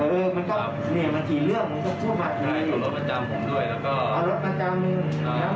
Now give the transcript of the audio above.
เออมันก็เนี่ยมันถี่เรื่องมันก็ทั่วบัตรอย่างนี้